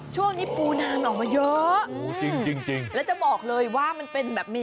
ช่วงนี้ปูนามออกมาเยอะ